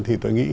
thì tôi nghĩ